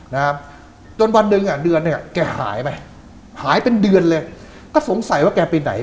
นะครับจนวันหนึ่งอ่ะเดือนเนี้ยแกหายไปหายเป็นเดือนเลยก็สงสัยว่าแกไปไหน